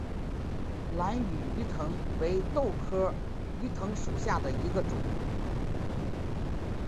兰屿鱼藤为豆科鱼藤属下的一个种。